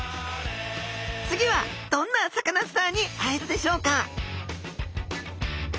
次はどんなサカナスターに会えるでしょうか？